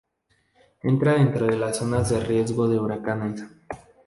Entra dentro de las zonas de riesgo de huracanes.